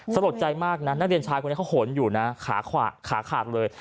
สลดใจมากนะนักเรียนชายคนนี้เขาขนอยู่นะขาขวาขาขาดเลย